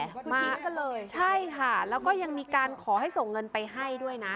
คือทิ้งกันเลยใช่ค่ะแล้วก็ยังมีการขอให้ส่งเงินไปให้ด้วยนะ